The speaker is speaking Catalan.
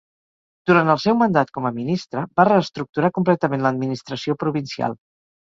Durant el seu mandat com a ministre, va reestructurar completament l'administració provincial.